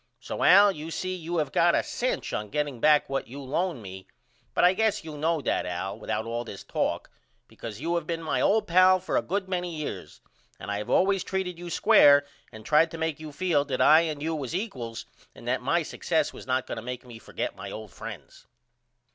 So Al you see you have got a cinch on getting back what you lone me but I guess you know that Al without all this talk because you have been my old pal for a good many years and I have allways treated you square and tried to make you feel that I and you was equals and that my success was not going to make me forget my old friends.